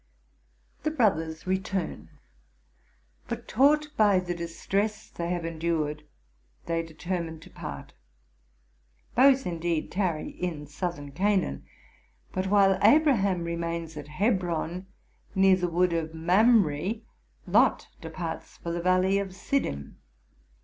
The brothers return; but, taught by the distress they have endured, they determine to part. Both, indeed, tarry in Southern Canaan; but while Abraham remains at Hebron, near the wood of Mamre, Lot departs for the valley of Siddim.